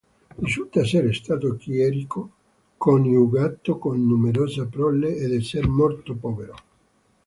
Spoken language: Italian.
Risulta essere stato chierico coniugato, con numerosa prole, ed esser morto povero.